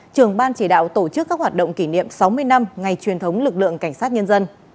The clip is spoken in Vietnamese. trưởng ban chỉ đạo tổ chức các hoạt động kỷ niệm sáu mươi năm ngày truyền thống lực lượng cảnh sát nhân dân